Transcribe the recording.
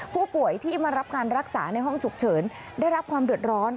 ผู้ป่วยที่มารับการรักษาในห้องฉุกเฉินได้รับความเดือดร้อน